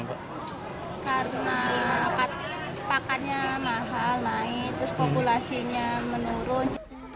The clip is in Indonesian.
karena pakannya mahal naik terus populasinya menurun